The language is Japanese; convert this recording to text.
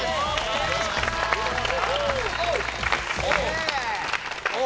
よろしくお願いします